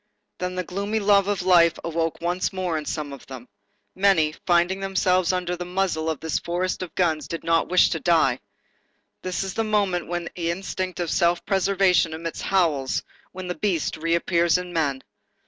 Then the gloomy love of life awoke once more in some of them. Many, finding themselves under the muzzles of this forest of guns, did not wish to die. This is a moment when the instinct of self preservation emits howls, when the beast reappears in men.